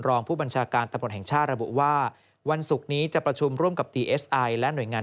รองผู้บัญชาการตำรวจแห่งชาติระบุว่าวันศุกร์นี้จะประชุมร่วมกับดีเอสไอและหน่วยงาน